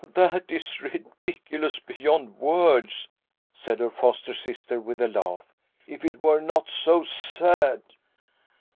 " That is ridiculous beyond words," said her foster sister, with a laugh, "if it were not so sad."